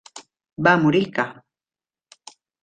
Va morir ca.